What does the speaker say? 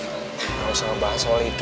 enggak usah ngebahas soal itu